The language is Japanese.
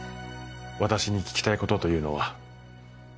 私に聞きたいことというのは。